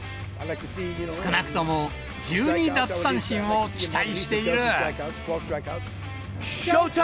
少なくとも１２奪三振を期待している。